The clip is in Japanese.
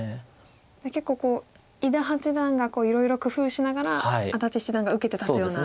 じゃあ結構伊田八段がいろいろ工夫しながら安達七段が受けて立つような。